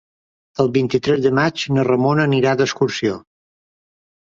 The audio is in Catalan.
El vint-i-tres de maig na Ramona anirà d'excursió.